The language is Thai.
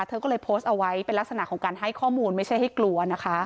เธอก็เลยโพสต์เอาไว้เป็นลักษณะของการให้ข้อมูลไม่ใช่ให้กลัวนะคะ